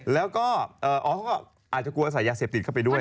แล้วก็อ๋อเขาก็อาจจะกลัวใส่ยาเสพติดเข้าไปด้วย